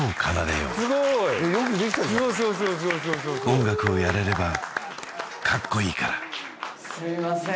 音楽をやれればカッコイイからすいません